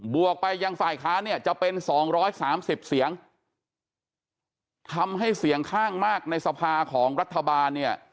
วกไปยังฝ่ายค้านเนี่ยจะเป็น๒๓๐เสียงทำให้เสียงข้างมากในสภาของรัฐบาลเนี่ย